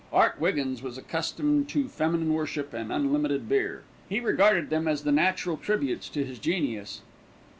Art Wiggins was accustomed to feminine worship and unlimited beer; he regarded them as the natural tributes to his genius.